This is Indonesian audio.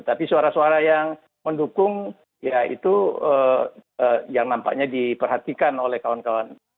tapi suara suara yang mendukung ya itu yang nampaknya diperhatikan oleh kawan kawan